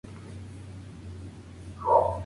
Allí se forma bajo la tutela de Cauchy.